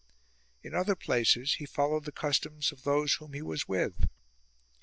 In other places he followed the customs of those whom he was with.